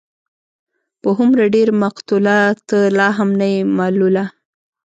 په هومره ډېر مقتوله، ته لا هم نه يې ملوله